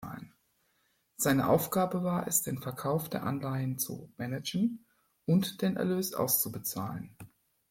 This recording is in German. Seine Aufgabe war es den Verkauf der Anleihen zu managen und den Erlös auszubezahlen.